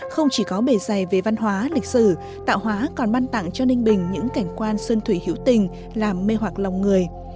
không chỉ có bề dày về văn hóa lịch sử tạo hóa còn ban tặng cho ninh bình những cảnh quan xuân thủy hữu tình làm mê hoặc lòng người